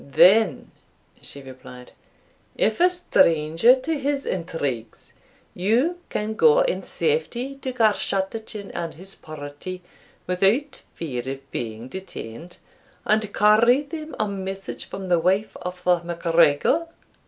"Then," she replied, "if a stranger to his intrigues, you can go in safety to Garschattachin and his party without fear of being detained, and carry them a message from the wife of the MacGregor?"